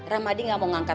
ramadi gak mau ngangkat